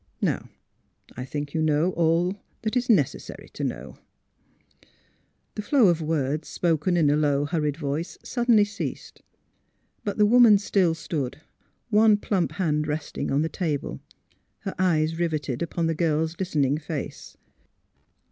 Now I think you know all that is necessary to know." The flow of words, spoken in a low, hurried voice, suddenly ceased. But the woman still stood, one plump hand resting on the table, her eyes riveted upon the girl's listening face.